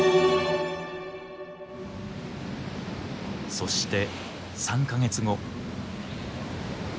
そして３か月後。